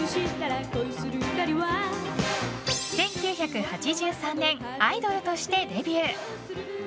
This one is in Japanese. １９８３年アイドルとしてデビュー。